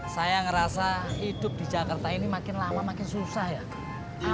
saya ngerasa hidup di jakarta ini makin lama makin susah ya